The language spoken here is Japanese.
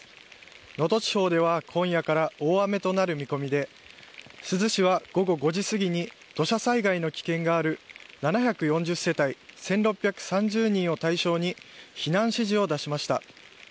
能登地方では今夜から大雨となる見込みで珠洲市は午後５時すぎに土砂災害の危険がある７４０世帯１６３０人を対象に避難指示を出しました。